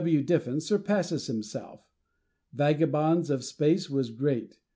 C. W. Diffin surpasses himself. "Vagabonds of Space" was great.